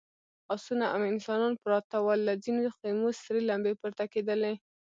آسونه او انسانان پراته ول، له ځينو خيمو سرې لمبې پورته کېدلې….